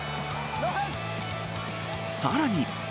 さらに。